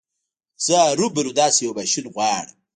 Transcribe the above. زه هرو مرو داسې يو ماشين غواړم.